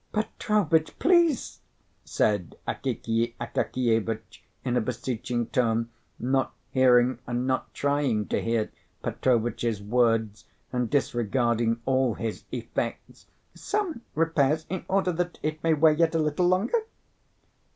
"Petrovitch, please," said Akakiy Akakievitch in a beseeching tone, not hearing, and not trying to hear, Petrovitch's words, and disregarding all his "effects," "some repairs, in order that it may wear yet a little longer."